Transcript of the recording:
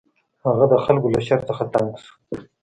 هغه د خلکو له شر څخه تنګ شو.